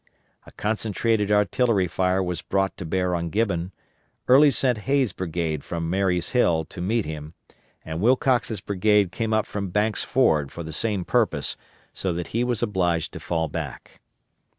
A concentrated artillery fire was brought to bear on Gibbon, Early sent Hays' brigade from Marye's Hill to meet him, and Wilcox's brigade came up from Banks' Ford for the same purpose, so that he was obliged to fall back.